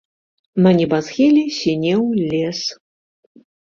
На небасхіле сінеў лес.